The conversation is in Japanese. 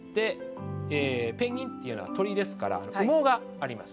ペンギンというのは鳥ですから羽毛があります。